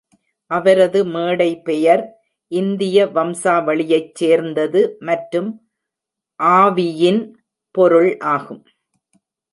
அவரது மேடை பெயர் இந்திய வம்சாவளியைச் சேர்ந்தது மற்றும் "ஆவியின்" பொருள் ஆகும்.